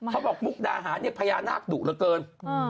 เขาบอกมุกดาหานี่พญานาคดุเหลือเกิน